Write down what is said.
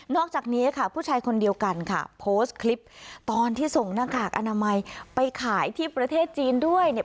อกจากนี้ค่ะผู้ชายคนเดียวกันค่ะโพสต์คลิปตอนที่ส่งหน้ากากอนามัยไปขายที่ประเทศจีนด้วยเนี่ย